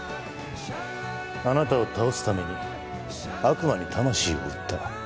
あなたを倒すために悪魔に魂を売った。